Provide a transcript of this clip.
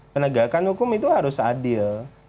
penegakan hukum itu harus adil